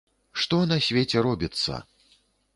Што на свеце робіцца!